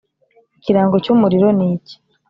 ikirango cy'umuriro ni icyi